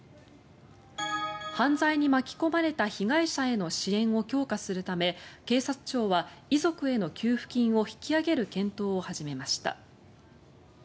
犯罪に巻き込まれた被害者への支援を強化するため警察庁は遺族への給付金を引き上げる検討を始めました。